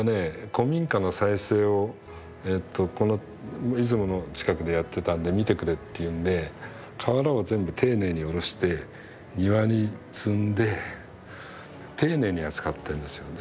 古民家の再生をこの出雲の近くでやってたんで見てくれっていうんで瓦を全部丁寧におろして庭に積んで丁寧に扱ってるんですよね。